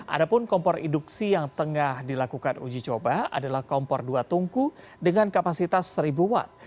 ada pun kompor induksi yang tengah dilakukan uji coba adalah kompor dua tungku dengan kapasitas seribu watt